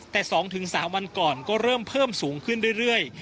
แต่สองถึงสามวันก่อนก็เริ่มเพิ่มสูงขึ้นเรื่อย